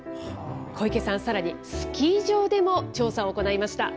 小池さん、さらにスキー場でも調査を行いました。